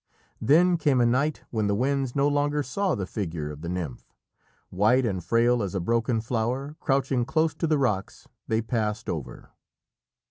Then came a night when the winds no longer saw the figure of the nymph, white and frail as a broken flower, crouching close to the rocks they passed over.